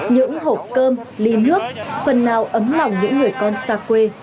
những hộp cơm ly nước phần nào ấm lòng những người con xa quê